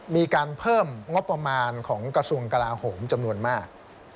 มีการเพิ่มงบประมาณของกระทรวงกลาโหมจำนวนมาก